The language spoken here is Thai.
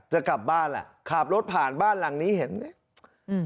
จะกลับบ้านแหละขับรถผ่านบ้านหลังนี้เห็นเนี่ยอืม